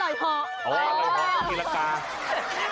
อ๋ออร่อยเผากาลันตี